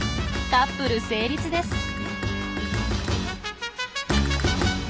カップル成立です。